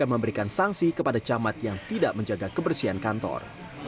memberikan sanksi kepada camat yang tidak menjaga kebersihan kantor